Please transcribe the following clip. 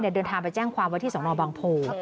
เดินทางไปแจ้งความว่าที่สนบางโพ